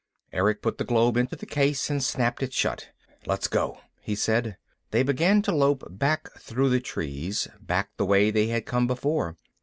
Erick put the globe into the case and snapped it shut. "Let's go," he said. They began to lope back through the trees, back the way they had come before.